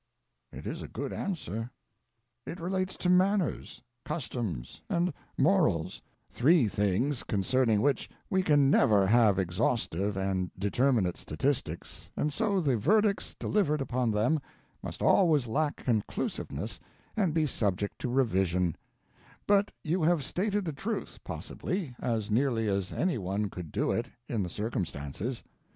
'] It is a good answer. It relates to manners, customs, and morals three things concerning which we can never have exhaustive and determinate statistics, and so the verdicts delivered upon them must always lack conclusiveness and be subject to revision; but you have stated the truth, possibly, as nearly as any one could do it, in the circumstances.